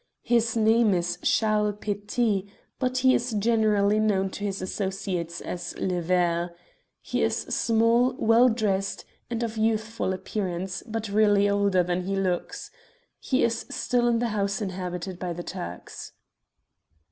His name is Charles Petit, but he is generally known to his associates as 'Le Ver.' He is small, well dressed, and of youthful appearance, but really older than he looks. He is still in the house inhabited by the Turks."